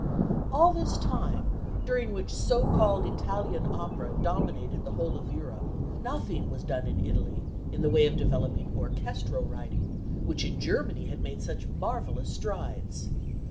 All this time, during which so called Italian opera dominated the whole of Europe, nothing was done in Italy in the way of developing orchestral writing, which in Germany had made such marvellous strides.